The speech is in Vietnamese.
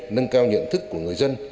nâng cao nhận thức của người dân